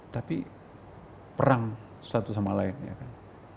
tapi perang satu sama lain ya kan